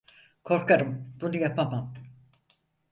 Korkarım bunu yapamam.